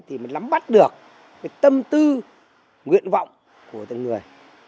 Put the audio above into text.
thì mình lắm bắt được cái tâm tư nguyện vọng của tất cả người